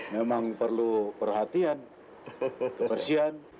memang perlu perhatian kebersihan